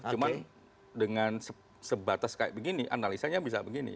cuman dengan sebatas kayak begini analisanya bisa begini